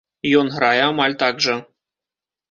Ён грае амаль так жа.